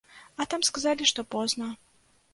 А там сказалі, што позна.